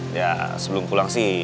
ya sebelum pulang sih